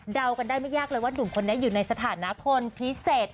กันได้ไม่ยากเลยว่าหนุ่มคนนี้อยู่ในสถานะคนพิเศษ